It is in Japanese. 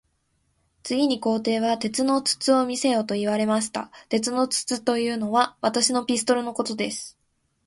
次に皇帝は、鉄の筒を見せよと言われました。鉄の筒というのは、私のピストルのことです。